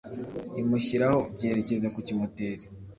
imushyiraho byerekeza ku kimoteri